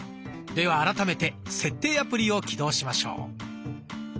では改めて「設定」アプリを起動しましょう。